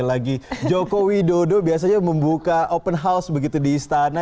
dan juga widodo biasanya membuka open house begitu di istana